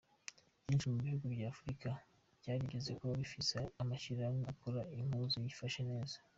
Vyinshi mu bihugu vya Afrika vyarigeze kuba bifise amashirahamwe akora impuzu yifashe neza.